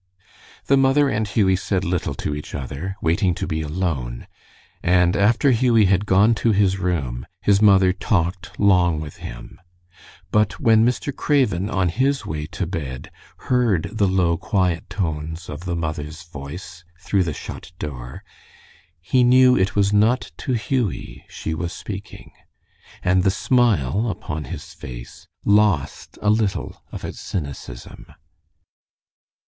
The mother and Hughie said little to each other, waiting to be alone, and after Hughie had gone to his room his mother talked long with him, but when Mr. Craven, on his way to bed, heard the low, quiet tones of the mother's voice through the shut door, he knew it was not to Hughie she was speaking, and the smile upon his face lost a little of its cynicism.